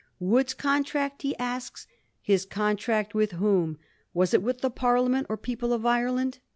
' Wood's contract?' he asks. 'His contract with whom? Was it with the Parliament or people of Ireland